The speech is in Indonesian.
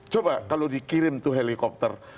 coba kalau dikirim itu helikopter